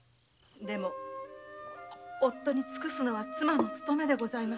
でも夫に尽くすのが妻の務めでございます。